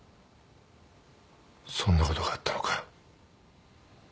そんなことがあったのか。